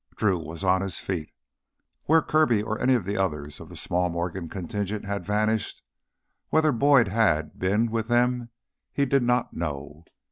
Drew was on his feet. Where Kirby or any others of the small Morgan contingent had vanished whether Boyd had been with them he did not know.